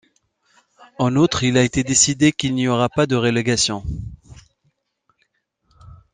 En outre, il a été décidé qu'il n'y aurait pas de relégation.